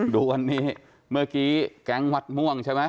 ดูวันนี้เมื่อกี้แก๊งวัดม่วงใช่ไหม